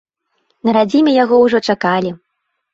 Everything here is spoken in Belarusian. На радзіме яго ўжо чакалі.